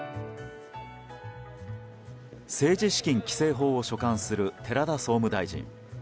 政治資金規正法を所管する寺田総務大臣。